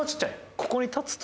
ここに立つと